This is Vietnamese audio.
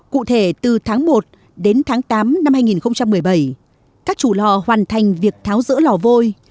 cụ thể từ tháng một đến tháng tám năm hai nghìn một mươi bảy các chủ lò hoàn thành việc tháo rỡ lò vôi